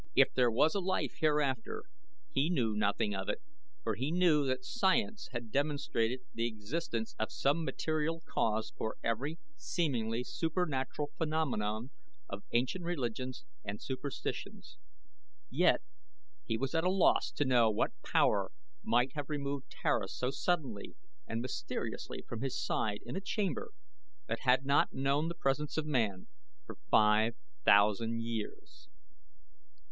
If there was a life hereafter he knew nothing of it, for he knew that science had demonstrated the existence of some material cause for every seemingly supernatural phenomenon of ancient religions and superstitions. Yet he was at a loss to know what power might have removed Tara so suddenly and mysteriously from his side in a chamber that had not known the presence of man for five thousand years.